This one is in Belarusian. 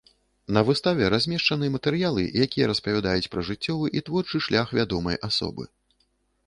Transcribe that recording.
На выставе размешчаны матэрыялы, якія распавядаюць пра жыццёвы і творчы шлях вядомай асобы.